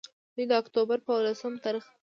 دوي د اکتوبر پۀ ولسم تاريخ